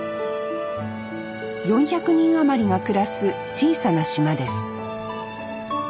４００人余りが暮らす小さな島です